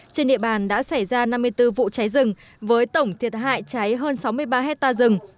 trên địa bàn đã xảy ra năm mươi bốn vụ cháy rừng với tổng thiệt hại cháy hơn sáu mươi ba hectare rừng